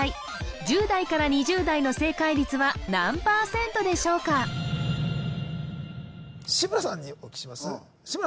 １０２０代の正解率は何％でしょうか志村さんにお聞きします？